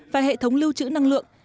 và hệ thống lưu trữ năng lượng